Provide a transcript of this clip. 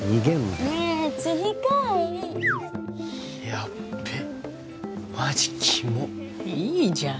やっべえマジキモッやめていいじゃん